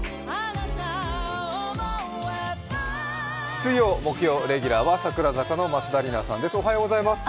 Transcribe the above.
水曜、木曜レギュラーは桜坂の松田里奈さんです。